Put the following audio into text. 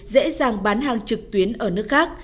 dễ dàng bán hàng trực tuyến ở nước khác